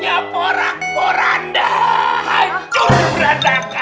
jangan maaf pade aduh bentar bentar